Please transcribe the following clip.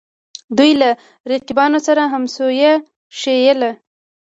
دوی له رقیبانو سره همسویه ښييل